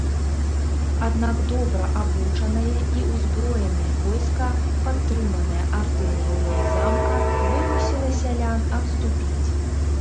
Аднак добра абучанае і ўзброенае войска, падтрыманае артылерыяй замка, вымусіла сялян адступіць.